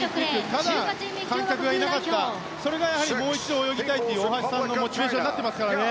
ただ、観客がいなかったそれがもう一度泳ぎたいという大橋のモチベーションになっていますからね。